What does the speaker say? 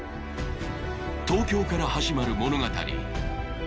東京から始まる物語。